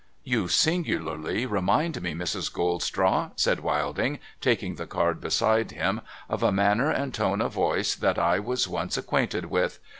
' You singularly remind me, Mrs. Goldstraw,' said Wilding, taking the card beside him, ' of a manner and tone of voice that I was once acquainted with.